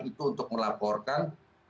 itu untuk melaporkan